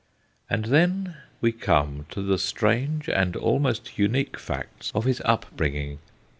And then we come to the strange and almost unique facts of his upbringing.